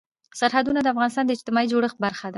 سرحدونه د افغانستان د اجتماعي جوړښت برخه ده.